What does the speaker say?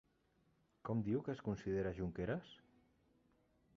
Com diu que es considera Junqueras?